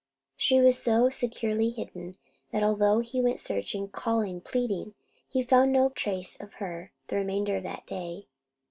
She was so securely hidden, that although he went searching, calling, pleading, he found no trace of her the remainder of that day.